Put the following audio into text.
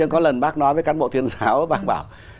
có lần bác nói với cán bộ tiền giáo bác bảo